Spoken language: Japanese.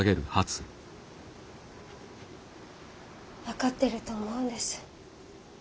分かってると思うんです。